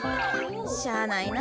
しゃあないな。